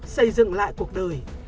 xây dựng lại cuộc đời